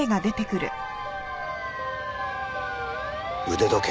腕時計。